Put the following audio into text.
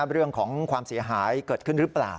เรื่องของความเสียหายเกิดขึ้นหรือเปล่า